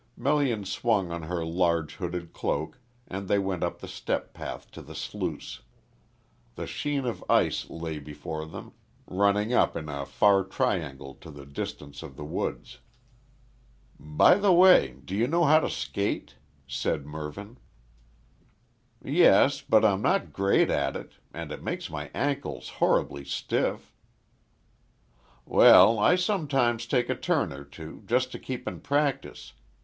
Melian swung on her large hooded cloak, and they went up the step path to the sluice. The sheen of ice lay before them, running up in a far triangle to the distance of the woods. "By the way, do you know how to skate?" said Mervyn. "Yes, but I'm not great at it, and it makes my ankles horribly stiff." "Well, I sometimes take a turn or two, just to keep in practice.